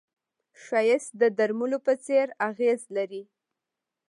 ښایست د درملو په څېر اغېز لري